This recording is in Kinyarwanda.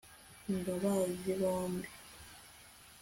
ndabazi bombi